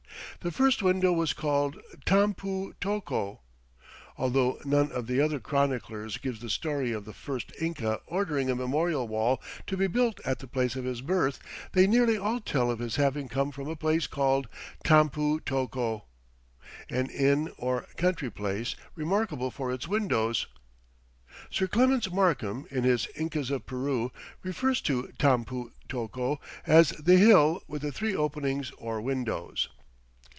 The first window was called 'Tampu tocco.' " Although none of the other chroniclers gives the story of the first Inca ordering a memorial wall to be built at the place of his birth, they nearly all tell of his having come from a place called Tampu tocco, "an inn or country place remarkable for its windows." Sir Clements Markham, in his "Incas of Peru," refers to Tampu tocco as "the hill with the three openings or windows."